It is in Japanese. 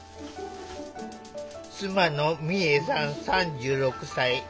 妻の美恵さん３６歳。